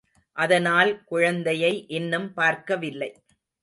அதனால் குழந்தையை இன்னும் பார்க்க வில்லை.